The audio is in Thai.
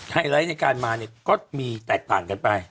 ไลท์ในการมาเนี่ยก็มีแตกต่างกันไป